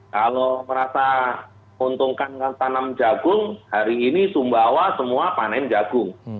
kalau merasa menguntungkan tanam jagung hari ini sumbawa semua panen jagung